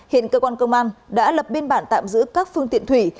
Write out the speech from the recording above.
hiện cơ quan công an đã lập biên bản tạm giữ các phương tiện thủy